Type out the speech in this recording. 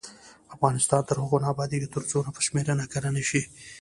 افغانستان تر هغو نه ابادیږي، ترڅو نفوس شمېرنه کره نشي.